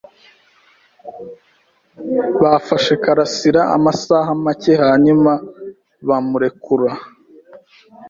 Bafashe Karasiraamasaha make hanyuma bamurekura.